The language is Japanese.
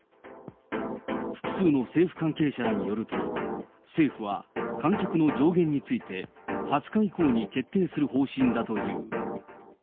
複数の政府関係者らによると、政府は観客の上限について、２０日以降に決定する方針だという。